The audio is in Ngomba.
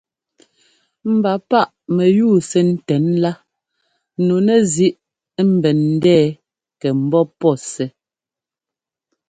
Mba páꞌ mɛyúu sɛ ńtɛn lá nu nɛzíꞌ ḿbɛn ńdɛɛ kɛ ḿbɔ́ pɔ́ sɛ́.